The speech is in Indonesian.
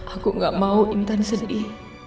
aku gak mau intan sedih